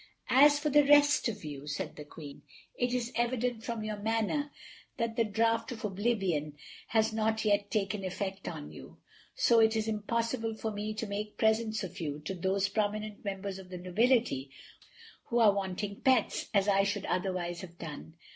"As for the rest of you," said the Queen, "it is evident from your manner that the draught of oblivion has not yet taken effect on you. So it is impossible for me to make presents of you to those prominent members of the nobility, who are wanting pets, as I should otherwise have done.